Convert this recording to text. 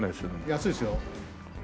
安いですよ。